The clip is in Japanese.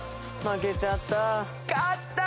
負けちゃった。